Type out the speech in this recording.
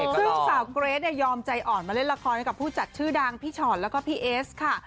ซึ่งสาวเกรทยอมใจอ่อนมาเล่นละครให้กับผู้จัดชื่อดังพี่ชอตแล้วก็พี่เอสค่ะ